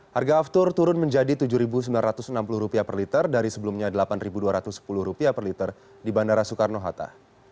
harga aftur turun menjadi rp tujuh sembilan ratus enam puluh per liter dari sebelumnya rp delapan dua ratus sepuluh per liter di bandara soekarno hatta